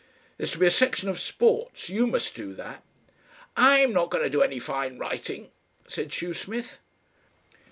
"There's to be a section of sports. YOU must do that." "I'm not going to do any fine writing," said Shoesmith.